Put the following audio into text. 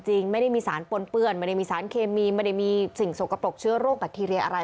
จริงไม่ได้มีสารปนเปื้อนไม่ได้มีสารเคมีไม่ได้มีสิ่งสกปรกเชื้อโรคแบคทีเรียอะไร